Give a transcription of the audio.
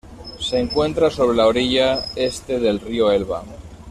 Se encuentra sobre la orilla este del río Elba.